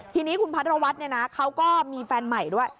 ทีนี้คุณพัทรวัฒน์เนี่ยนะเขาก็มีแฟนใหม่ด้วย